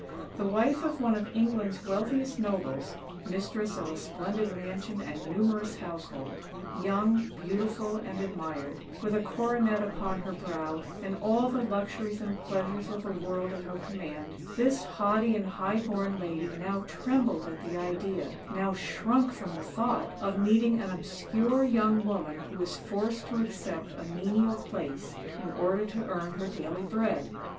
The wife of one of England's wealthiest nobles,—mistress of a splendid mansion and numerous household,—young, beautiful, and admired,—with a coronet upon her brow, and all the luxuries and pleasures of the world at her command,—this haughty and high born lady now trembled at the idea—now shrunk from the thought—of meeting an obscure young woman who was forced to accept a menial place in order to earn her daily bread!